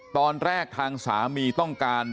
ตอนแรกทางสามีต้องการ